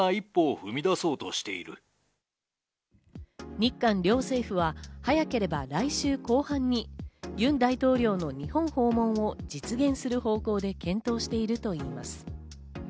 日韓両政府は早ければ来週後半に、ユン大統領の日本訪問を実現する方向で検討しているといいます。